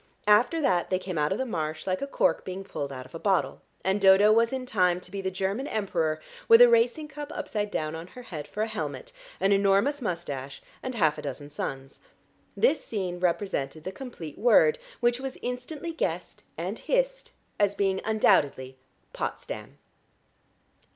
After that they came out of the marsh like a cork being pulled out of a bottle, and Dodo was in time to be the German Emperor with a racing cup upside down on her head for a helmet, an enormous moustache, and half a dozen sons. This scene represented the complete word, which was instantly guessed and hissed as being undoubtedly Potsdam.